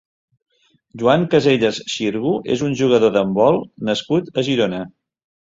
Joan Casellas Xirgu és un jugador d'handbol nascut a Girona.